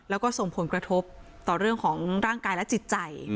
แล้วก็ส่งผลกระทบต่อเรื่องของร่างกายและจิตใจ